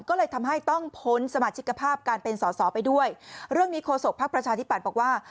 ก็เลยทำให้ต้องพ้นสมาชิกภาพการเป็นสอสอไปด้วยเรื่องนี้โฆษกภักดิ์ประชาธิปัตย์บอกว่า